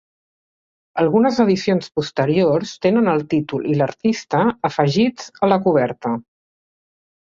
Algunes edicions posteriors tenen el títol i l'artista afegits a la coberta.